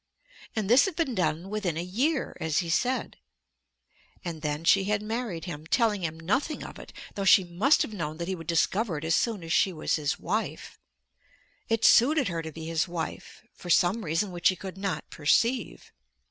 And this had been done within a year, as he said. And then she had married him, telling him nothing of it, though she must have known that he would discover it as soon as she was his wife. It suited her to be his wife, for some reason which he could not perceive.